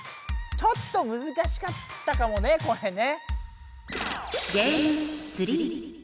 ちょっとむずかしかったかもねこれね。